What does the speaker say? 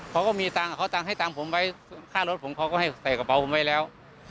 เขาก็มีตังค์เขาตังค์ให้ตังค์ผมไว้ค่ารถผมเขาก็ให้ใส่กระเป๋าผมไว้แล้ว